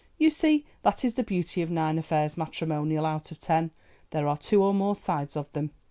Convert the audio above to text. You see that is the beauty of nine affairs matrimonial out of ten—there are two or more sides of them.